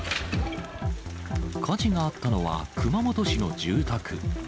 火事があったのは、熊本市の住宅。